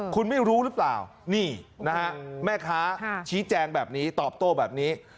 คุณไม่รู้หรือเปล่านี่นะฮะแม่ค้าชี้แจงแบบนี้ตอบโต้แบบนี้